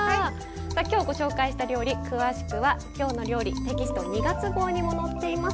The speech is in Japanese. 今日、紹介した料理詳しくは「きょうの料理」テキスト２月号に載っています。